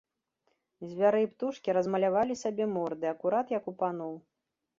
Звяры і птушкі размалявалі сабе морды акурат як у паноў.